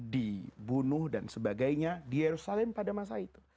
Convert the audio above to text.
dibunuh dan sebagainya di yerusalem pada masa itu